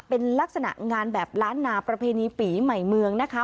เป็นลักษณะงานแบบล้านนาประเพณีปีใหม่เมืองนะคะ